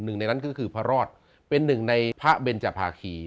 หนึ่งในนั้นก็คือพระรอดเป็นหนึ่งในพระเบนจภาคี